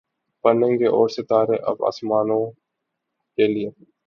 بنیں گے اور ستارے اب آسماں کے لیے